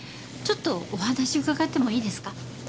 ちょっとお話伺ってもいいですか？